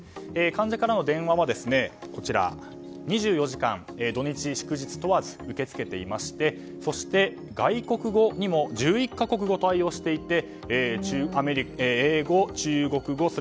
患者からの電話は２４時間、土日祝日問わず受け付けていましてそして、外国語にも１１か国語、対応していて英語、中国語